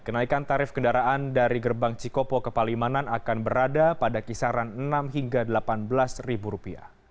kenaikan tarif kendaraan dari gerbang cikopo ke palimanan akan berada pada kisaran rp enam hingga rp delapan belas